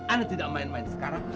anda tidak main main sekarang